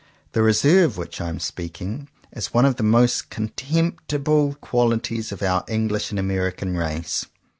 The "reserve" of which I am speaking is one of the most con temptible qualities of our English and American race.